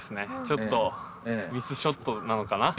ちょっとミスショットなのかな？